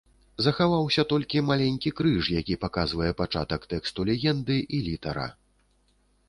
Захаваўся толькі маленькі крыж, які паказвае пачатак тэксту легенды, і літара.